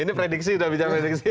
ini prediksi sudah bisa prediksi